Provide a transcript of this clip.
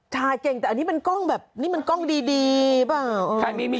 เก่งแต่อันนี้มันกล้องแบบนี้มันกล้องดีเปล่า